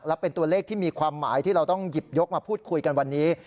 และเป็นตัวเลขที่มีความหมายที่เราต้องหยิบยกมาพูดคุยกันวันนี้